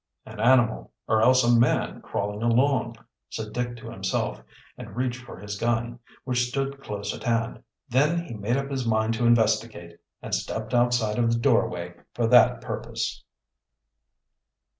"An animal, or else a man crawling along," said Dick to himself, and reached for his gun, which stood close at hand. Then he made up his mind to investigate, and stepped outside of the doorway for that purpose.